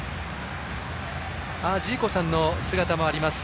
ジーコさんの姿もあります。